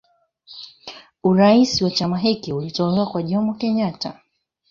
Urais wa chama hiki ulitolewa kwa Jomo Kenyatta